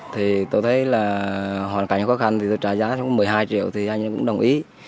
thì tôi thấy là hoàn cảnh khó khăn thì tôi trả giá xuống một mươi hai triệu thì anh em cũng đồng ý